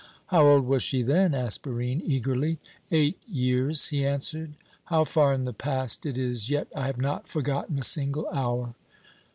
"How old was she then?" asked Barine, eagerly. "Eight years," he answered. "How far in the past it is, yet I have not forgotten a single hour!"